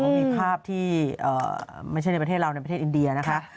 มีภาพที่ไม่ใช่ในประเทศเราในประเทศอินเดียนะคะ